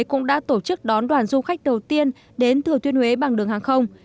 cũng đã tổ chức đón đoàn du khách đầu tiên đến thừa thiên huế bằng đường hàng không